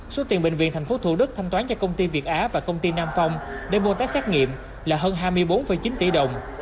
số tiền bệnh viện thành phố thủ đức thanh toán cho công ty việt á và công ty nam phong để mua tác xác nghiệm là hơn hai mươi bốn chín tỷ đồng